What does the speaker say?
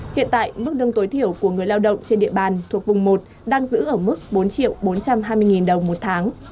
hiện tại mức lương tối thiểu của người lao động trên địa bàn thuộc vùng một đang giữ ở mức bốn bốn trăm hai mươi đồng một tháng